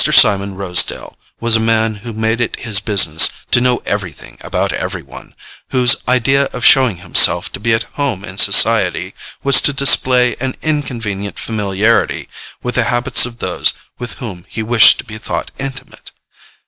Simon Rosedale was a man who made it his business to know everything about every one, whose idea of showing himself to be at home in society was to display an inconvenient familiarity with the habits of those with whom he wished to be thought intimate.